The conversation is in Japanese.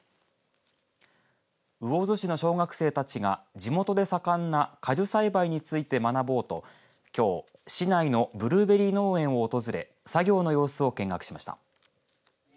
魚津市の小学生たちが地元で盛んな果樹栽培について学ぼうときょう市内のブルーベリー農園を訪れ作業の様子を見学しました。